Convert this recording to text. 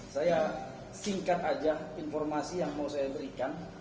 saya singkat aja informasi yang mau saya berikan